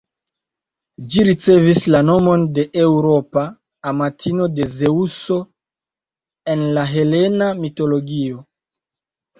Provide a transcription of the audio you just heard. Ĝi ricevis la nomon de Eŭropa, amatino de Zeŭso en la helena mitologio.